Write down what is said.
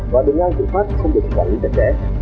và đứng ngang dự pháp không được giải lý tật đẽ